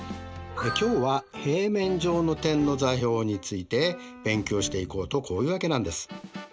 今日は平面上の点の座標について勉強していこうとこういうわけなんです。